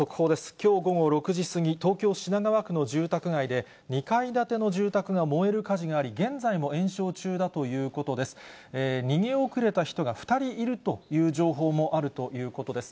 きょう午後６時過ぎ、東京・品川区の住宅街で、２階建ての住宅が燃える火事があり、現在も延焼中だということです。